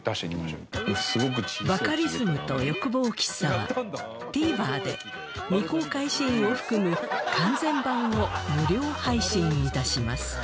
『バカリズムと欲望喫茶』は ＴＶｅｒ で未公開シーンを含む完全版を無料配信致します